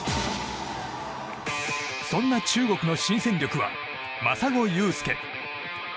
そんな中国の新戦力は真砂勇介。